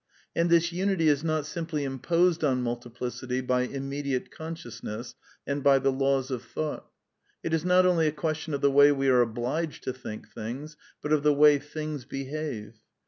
And this unity is not simply imposed on multiplicity by immediate consciousness and by the laws of thought. It is not only a question of the way we are obliged to think things, but of the way things behave.